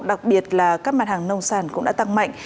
đặc biệt là các mặt hàng nông sản cũng đã tăng mạnh